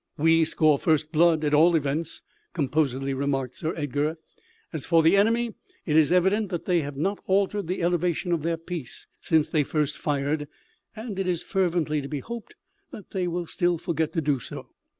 "We score first blood, at all events," composedly remarked Sir Edgar. "As for the enemy, it is evident that they have not altered the elevation of their piece since they first fired, and it is fervently to be hoped that they will still forget to do so.